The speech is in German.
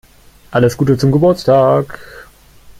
Alles Gute zum Geburtstag!